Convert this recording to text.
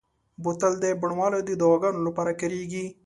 بوتل د بڼوالو د دواګانو لپاره کارېږي.